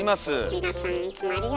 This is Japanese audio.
皆さんいつもありがと。